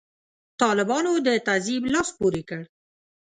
طالبانو د تعذیب لاس پورې کړ.